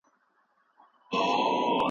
ذهني فشار د بیړنۍ حالت احساس جوړوي.